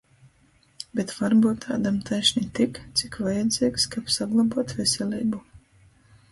Bet varbyut ādam taišni tik, cik vajadzeigs, kab saglobuot veseleibu?